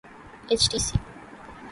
H T C